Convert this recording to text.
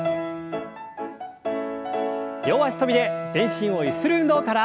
両脚跳びで全身をゆする運動から。